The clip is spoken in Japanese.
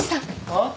あっ？